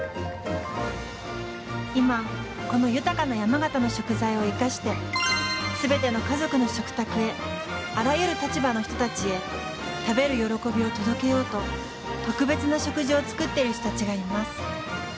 今この豊かな山形の食材を生かして全ての家族の食卓へあらゆる立場の人たちへ食べる喜びを届けようと特別な食事を作っている人たちがいます。